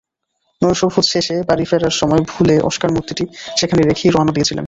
নৈশভোজ শেষে বাড়ি ফেরার সময় ভুলে অস্কার মূর্তিটি সেখানে রেখেই রওনা দিয়েছিলেন।